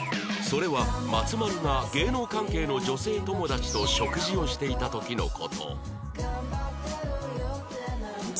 それは松丸が芸能関係の女性友達と食事をしていた時の事